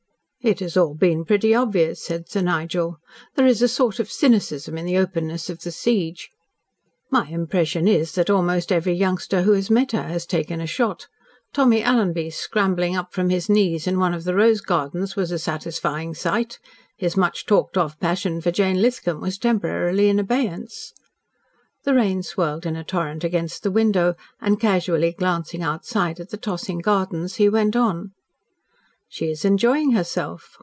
"It has all been pretty obvious," said Sir Nigel. "There is a sort of cynicism in the openness of the siege. My impression is that almost every youngster who has met her has taken a shot. Tommy Alanby scrambling up from his knees in one of the rose gardens was a satisfying sight. His much talked of passion for Jane Lithcom was temporarily in abeyance." The rain swirled in a torrent against the window, and casually glancing outside at the tossing gardens he went on. "She is enjoying herself.